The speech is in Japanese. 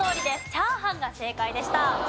チャーハンが正解でした。